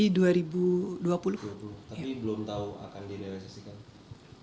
tapi belum tau akan diresesikan